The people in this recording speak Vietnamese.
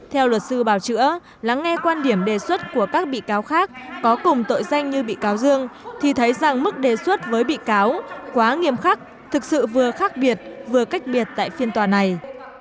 theo luật sư bào chữa lắng nghe quan điểm đề xuất của các bị cáo khác có cùng tội danh như bị cáo dương thì thấy rằng mức đề xuất với bị cáo quá nghiêm khắc thực sự vừa khác biệt vừa cách biệt tại phiên tòa này